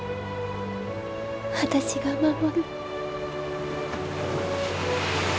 私が守る。